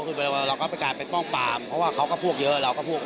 คือเราก็กลายเป็นป้องปามเพราะว่าเขาก็พวกเยอะเราก็พวก